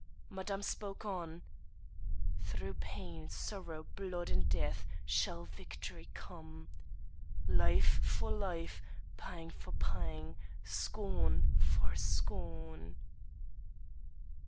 Madame spoke on: "Through pain, sorrow, blood and death shall victory come. Life for life, pang for pang, scorn for scorn!"